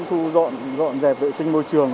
thu dọn dẹp vệ sinh môi trường